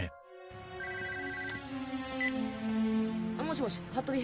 もしもし服部？